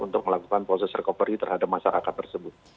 untuk melakukan proses recovery terhadap masyarakat tersebut